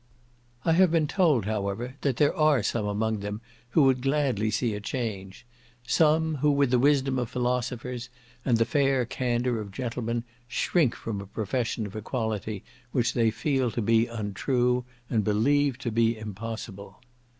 I have been told, however, that there are some among them who would gladly see a change; some, who with the wisdom of philosophers, and the fair candour of gentlemen, shrink from a profession of equality which they feel to be untrue, and believe to be impossible.